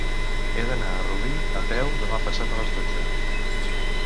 He d'anar a Rubí a peu demà passat a les dotze.